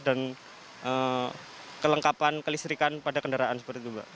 dan kelengkapan kelistrikan pada kendaraan seperti itu mbak